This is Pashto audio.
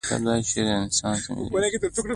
مطلب دا چې رنسانس د ملي ویښتیا فکر دی.